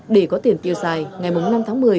để có tiền tiêu xài ngày năm tháng một mươi